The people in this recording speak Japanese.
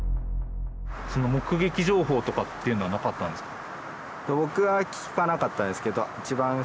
目撃情報とかっていうのはなかったんですか？